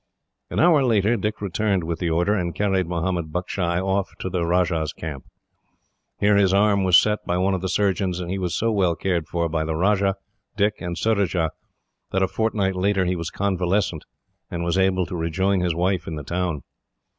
An hour later Dick returned with the order, and carried Mahomed Buckshy off to the Rajah's camp. Here his arm was set by one of the surgeons, and he was so well cared for by the Rajah, Dick, and Surajah, that a fortnight later he was convalescent, and was able to join his wife in the town.